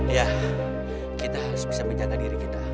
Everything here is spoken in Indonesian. ya kita harus bisa menjaga diri kita